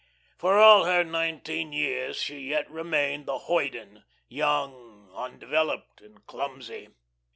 For all her nineteen years, she yet remained the hoyden, young, undeveloped, and clumsy.